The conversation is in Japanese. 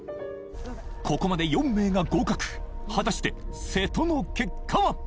ここまで４名が合格果たして瀬戸の結果は！？